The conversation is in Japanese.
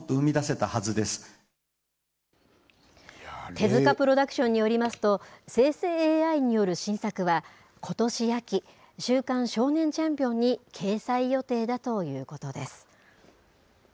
手塚プロダクションによりますと、生成ＡＩによる新作は、ことし秋、週刊少年チャンピオンに掲載予定だということです。